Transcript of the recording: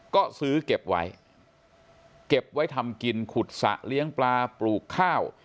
ก็ซื้อเก็บไว้เก็บไว้ทำกินขุดสระเลี้ยงปลาปลูกข้าว